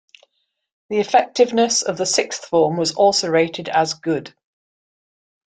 The effectiveness of the sixth form was also rated as "Good".